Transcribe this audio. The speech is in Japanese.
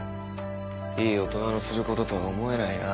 いい大人のすることとは思えないな。